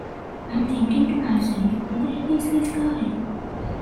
I'm thinking to myself, 'Who the hell is this guy?